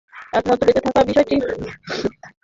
একমাত্র বেঁচে থাকা ব্যক্তিটি যেন হই আমি।